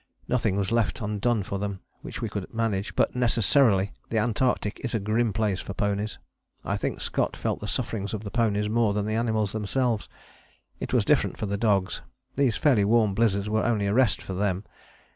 Nothing was left undone for them which we could manage, but necessarily the Antarctic is a grim place for ponies. I think Scott felt the sufferings of the ponies more than the animals themselves. It was different for the dogs. These fairly warm blizzards were only a rest for them.